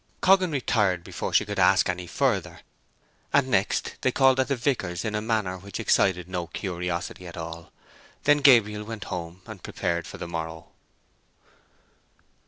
Coggan retired before she could ask any further; and next they called at the vicar's in a manner which excited no curiosity at all. Then Gabriel went home, and prepared for the morrow.